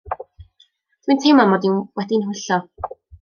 Dw i'n teimlo 'mod i wedi'n nhwyllo.